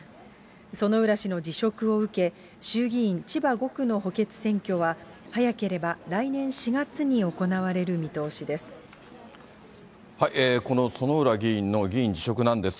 薗浦氏の辞職を受け、衆議院千葉５区の補欠選挙は、早ければ来年４月に行われる見通しです。